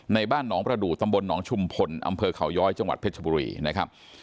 บ้านหนองประดูกตำบลหนองชุมพลอำเภอเขาย้อยจังหวัดเพชรบุรีนะครับ